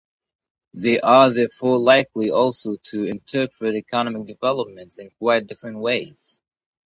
They are therefore likely also to interpret economic developments in quite different ways.